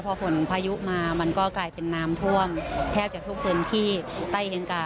พอฝนพายุมามันก็กลายเป็นน้ำท่วมแทบจะทุกพื้นที่ใต้เฮียงกา